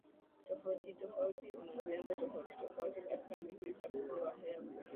tofautitofauti una vyanzo tofautitofauti Katika miji uchafuzi wa hewa